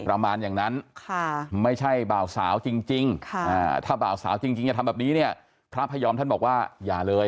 ประมาณอย่างนั้นไม่ใช่บ่าวสาวจริงถ้าบ่าวสาวจริงอย่าทำแบบนี้เนี่ยพระพยอมท่านบอกว่าอย่าเลย